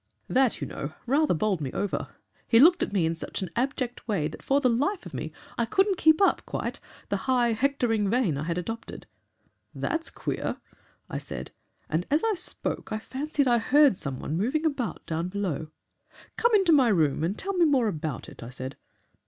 "That, you know, rather bowled me over. He looked at me in such an abject way that for the life of me I couldn't keep up quite the high, hectoring vein I had adopted. 'That's queer,' I said, and as I spoke I fancied I heard some one moving about down below. 'Come into my room and tell me more about it,' I said.